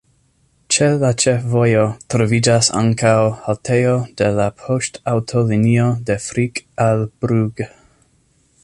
Ĉe la ĉefvojo troviĝas ankaŭ haltejo de la poŝtaŭtolinio de Frick al Brugg.